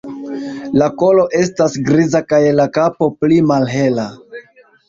La kolo estas griza kaj la kapo pli malhela.